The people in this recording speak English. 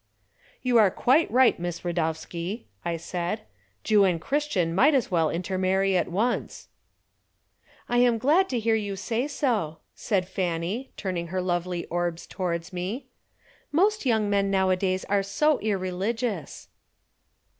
"You are quite right, Miss Radowski," I said, "Jew and Christian might as well intermarry at once." "I am glad to hear you say so," said Fanny, turning her lovely orbs towards me. "Most young men nowadays are so irreligious."